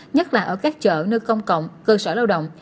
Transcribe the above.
nhất là ở các chợ nơi công cộng cơ sở lao động